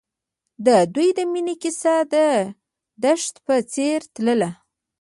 د دوی د مینې کیسه د دښته په څېر تلله.